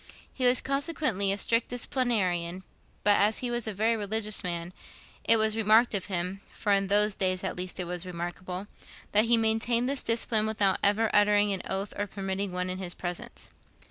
He was consequently a strict disciplinarian; but, as he was a very religious man, it was remarked of him (for in those days, at least, it was remarkable) that he maintained this discipline without ever uttering an oath or permitting one in his presence.